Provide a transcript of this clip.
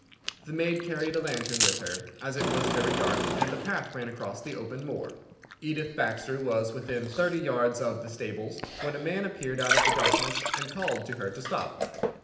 The maid carried a lantern with her, as it was very dark and the path ran across the open moor. "Edith Baxter was within thirty yards of the stables, when a man appeared out of the darkness and called to her to stop.